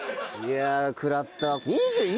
いやくらった。